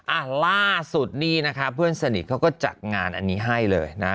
อ่ะล่าสุดนี่นะคะเพื่อนสนิทเขาก็จัดงานอันนี้ให้เลยนะ